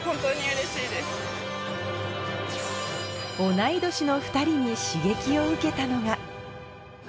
同い年の２人に刺激を受けたのが